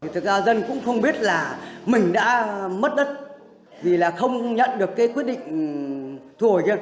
thực ra dân cũng không biết là mình đã mất đất vì là không nhận được cái quyết định thu hồi kia